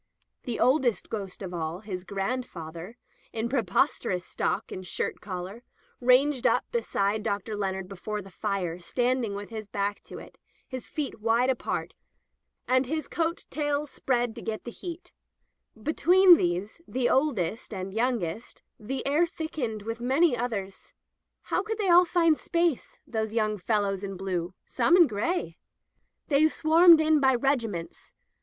The oldest ghost of all, his grandfather, in preposterous stock and shirt collar, ranged up beside Dr. Leonard before the fire, standing with his back to it, his feet wide apart, and his coat tails spread to get the heat. Between these, the oldest and youngest, the air thickened with many others. How could they all find space — those Digitized by LjOOQ IC At Ephesus young fellows in blue — some in gray! They swarmed in by regiments.